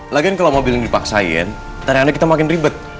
lagian kalau mobil ini dipaksain tariannya kita makin ribet